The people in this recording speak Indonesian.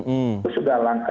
itu sudah langka